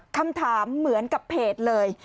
คำถามเหมือนกับเพจเลย